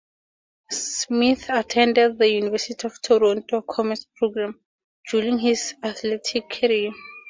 Smith attended the University of Toronto Commerce program during his athletic career.